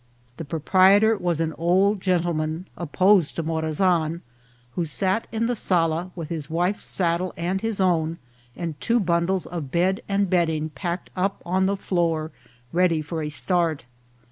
The proprietor was an old gentleman, opposed to Morazan, who sat in the sala with his wife's saddle and his own, and two bundles of bed and bedding packed up on the floor, ready for a start.